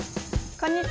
こんにちは。